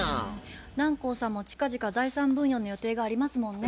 南光さんも近々財産分与の予定がありますもんね。